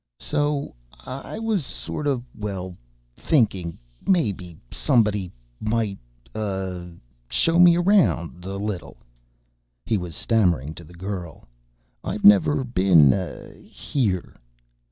"So, I was sort of, well, thinking ... maybe somebody might, uh, show me around ... a little," he was stammering to the girl. "I've never been, uh, here